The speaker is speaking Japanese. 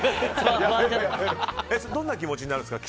どんな気持ちになるんですか？